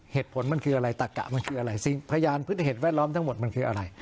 เหตุผลมันคืออะไรตะกะมันคืออะไรซึ่งพยานพฤติเหตุแวดล้อมทั้งหมดมันคืออะไร